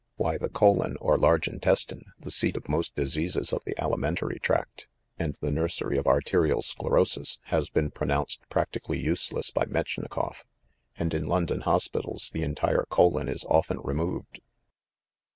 Why, the colon, or large intestine, the seat of most diseases of the ali mentary tract and the nursery of arterial sclerosis, has been pronounced practically useless by MetchnikofT, and in London hospitals the entire colon is often re moved."